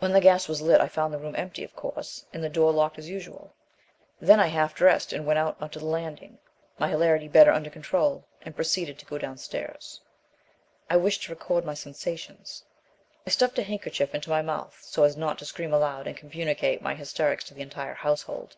When the gas was lit I found the room empty, of course, and the door locked as usual. Then I half dressed and went out on to the landing, my hilarity better under control, and proceeded to go downstairs. I wished to record my sensations. I stuffed a handkerchief into my mouth so as not to scream aloud and communicate my hysterics to the entire household."